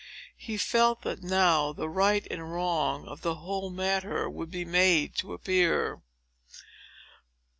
He felt that now the right and wrong of the whole matter would be made to appear.